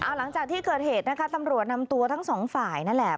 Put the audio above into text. หลังจากที่เกิดเหตุนะคะตำรวจนำตัวทั้งสองฝ่ายนั่นแหละ